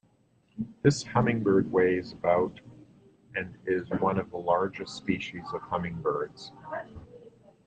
This hummingbird weighs about and is one of the largest species of hummingbirds.